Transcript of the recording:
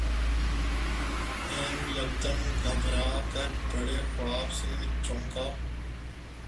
امیں یکدم گھبرا کر برے خواب سے چونکا